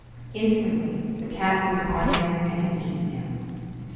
BOOTS Instantly the cat was on him and had eaten him.